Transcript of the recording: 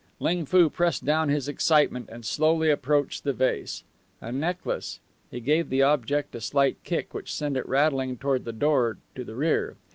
Ling Foo pressed down his excitement and slowly approached the vase. A necklace! He gave the object a slight kick, which sent it rattling toward the door to the rear.